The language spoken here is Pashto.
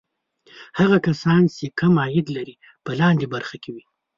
هغه کسان چې کم عاید لري په لاندې برخه کې وي.